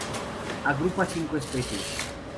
Agrupa cinco especies.